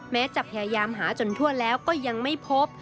แม้จะพยายามหาจนทั่วแล้วก็ยังไม่พบ